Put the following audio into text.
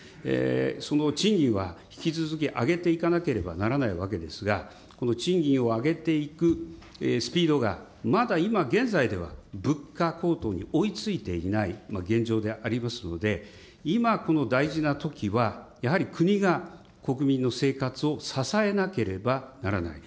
その賃金は引き続き上げていかなければいけないわけですが、賃金を上げていくスピードがまだ今現在では、物価高騰に追いついていない現状でありますので、今この大事なときは、やはり国が国民の生活を支えなければならない。